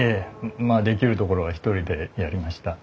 まあできる所は一人でやりました。